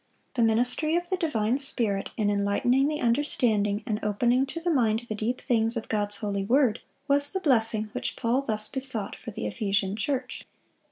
The ministry of the divine Spirit in enlightening the understanding and opening to the mind the deep things of God's holy word, was the blessing which Paul thus besought for the Ephesian church.